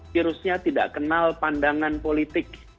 virusnya tidak kenal pandangan politik